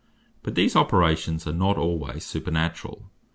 But these operations are not alwaies supernaturall.